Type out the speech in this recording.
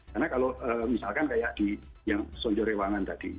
karena kalau misalkan kayak di yang sojo rewangan tadi